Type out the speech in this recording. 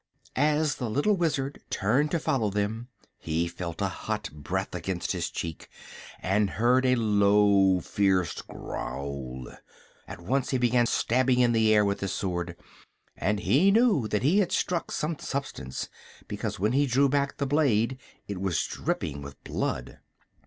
As the little Wizard turned to follow them he felt a hot breath against his cheek and heard a low, fierce growl. At once he began stabbing at the air with his sword, and he knew that he had struck some substance because when he drew back the blade it was dripping with blood.